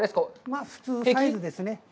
まあ、普通サイズですね。